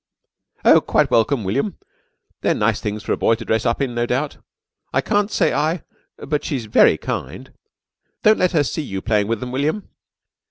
"Oh, quite welcome, William. They're nice things for a boy to dress up in, no doubt. I can't say I but she's very kind. Don't let her see you playing with them, William."